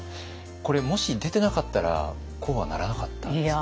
これもし出てなかったらこうはならなかったんですか？